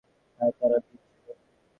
হ্যাঁ, তারা বীর ছিল।